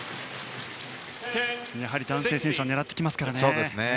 やはり男性選手は狙ってきますからね。